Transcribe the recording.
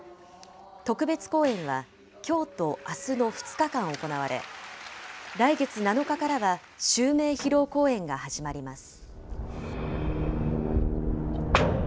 特別公演はきょうとあすの２日間行われ、来月７日からは襲名披露公演が始まります。